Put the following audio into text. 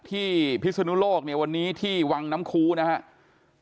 พิศนุโลกเนี่ยวันนี้ที่วังน้ำคูนะครับ